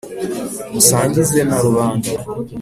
musangize na rubanda